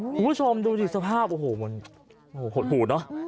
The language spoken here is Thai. คุณผู้ชมดูสิสภาพโอ้โหมันหดหูเนอะ